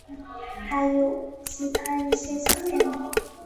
还有其它一些小变动。